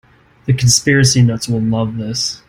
The conspiracy nuts will love this.